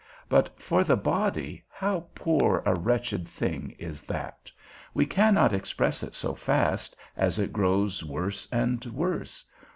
But for the body, how poor a wretched thing is that? we cannot express it so fast, as it grows worse and worse.